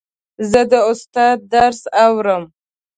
زه د استاد درس اورم.